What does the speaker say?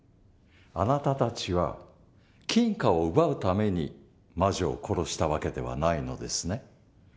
あなたたちは金貨を奪うために魔女を殺した訳ではないのですね？